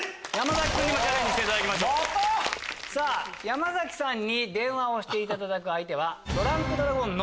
山崎さんに電話をしていただく相手は。